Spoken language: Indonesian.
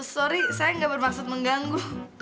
sorry saya gak bermaksud mengganggu